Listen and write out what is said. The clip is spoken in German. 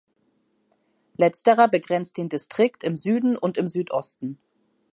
Letzterer begrenzt den Distrikt im Süden und im Südosten.